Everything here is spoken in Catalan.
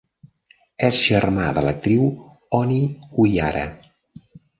És germà de l'actriu Ony Uhiara.